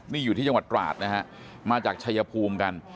นี่อยู่ที่จังหวัดตราดนะฮะมาจากชายภูมิกัน